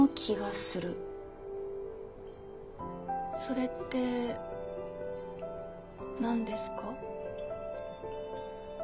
それって何ですか？